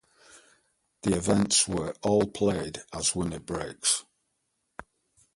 The events were all played as winner breaks.